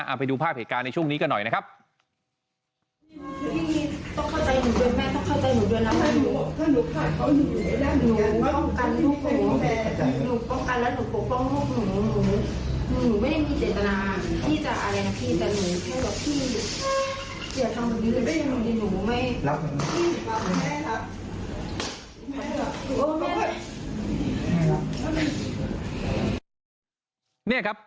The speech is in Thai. เอาไปดูภาพเหตุการณ์ในช่วงนี้กันหน่อยนะครับ